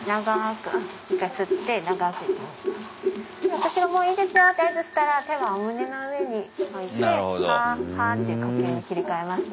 私がもういいですよって合図したら手はお胸の上に置いてハーハーって呼吸に切り替えますね。